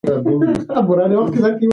دماغ کله ناکله ارام ته اړتیا لري.